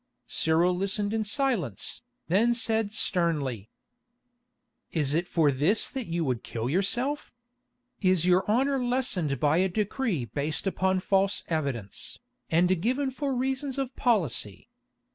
Cyril listened in silence, then said sternly: "Is it for this that you would kill yourself? Is your honour lessened by a decree based upon false evidence, and given for reasons of policy?